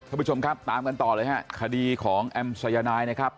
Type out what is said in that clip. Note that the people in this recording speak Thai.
ท่านผู้ชมครับตามกันต่อเลยฮะคดีของแอมสายนายนะครับ